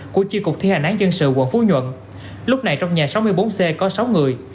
của chi cục thi hành án dân sự quận phú nhuận lúc này trong nhà sáu mươi bốn c có sáu người